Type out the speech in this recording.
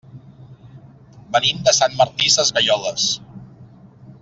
Venim de Sant Martí Sesgueioles.